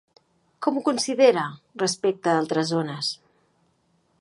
Com ho considera respecte d'altres zones?